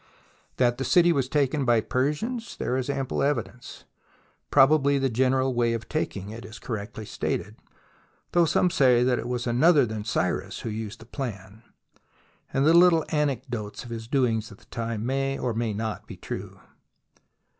That the city was taken by the Persians there is ample evidence ; probably the general way of tak ing is correctly stated, though some say that it was another than Cyrus who used the plan; and the little anecdotes of his doings at the time may or may not be true.